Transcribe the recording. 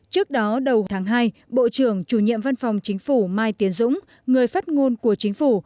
trước đó đầu tháng hai bộ trưởng chủ nhiệm văn phòng chính phủ mai tiến dũng người phát ngôn của chính phủ